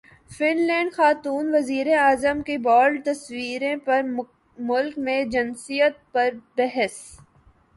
fun land خاتون وزیراعظم کی بولڈ تصاویر پر ملک میں جنسیت پر بحث